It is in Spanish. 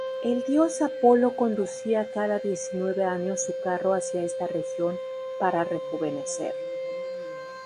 El dios Apolo conducía cada diecinueve años su carro hacia esta región para rejuvenecer.